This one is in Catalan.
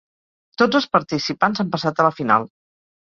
Tots els participants han passat a la final.